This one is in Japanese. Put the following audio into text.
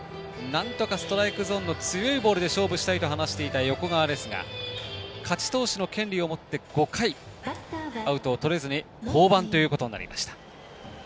なんとかストライクゾーンの強いボールで勝負したいと話していた横川ですが勝ち投手の権利を持って５回、アウトをとれずに降板ということになりました。